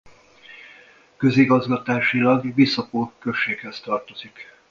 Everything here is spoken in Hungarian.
Közigazgatásilag Visoko községhez tartozik.